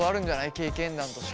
経験談として。